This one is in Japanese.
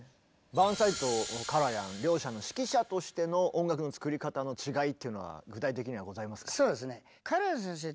バーンスタインとカラヤン両者の指揮者としての音楽の作り方の違いっていうのは具体的にはございますか？